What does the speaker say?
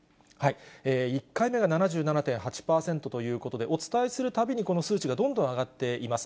１回目が７７．８％ということで、お伝えするたびにこの数値がどんどん上がっています。